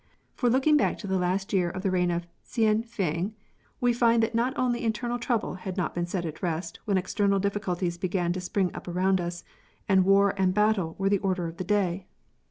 For looking back to the last year of the reign Hsien Feng, we find that not only internal trouble had not been set at rest when external difficulties began to spring up around us, and war and battle were the order of the day.